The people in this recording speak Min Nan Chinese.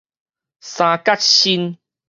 三角身